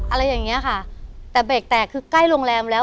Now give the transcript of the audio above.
อะไรอย่างเงี้ยค่ะแต่เบรกแตกคือใกล้โรงแรมแล้ว